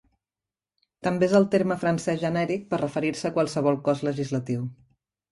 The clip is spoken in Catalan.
També és el terme francès genèric per referir-se a qualsevol cos legislatiu.